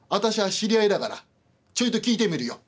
知り合いだからちょいと聞いてみるよ」。